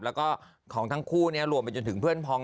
แล้วก็ของทั้งคู่รวมไปจนถึงเพื่อนพอง